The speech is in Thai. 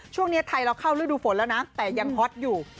ช่วงนี้ไทยเราเข้าฤดูฝนแล้วนะแต่ยังฮอตอยู่